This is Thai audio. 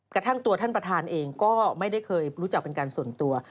กระทั่งตัวท่านประธานเองก็ไม่ได้เคยรู้จักเป็นการส่วนตัว